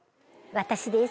私です。